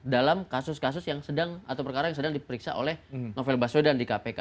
dalam kasus kasus yang sedang atau perkara yang sedang diperiksa oleh novel baswedan di kpk